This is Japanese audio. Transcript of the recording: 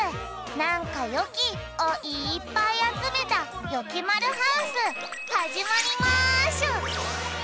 「なんかよき！」をいっぱいあつめたよきまるハウスはじまりましゅ！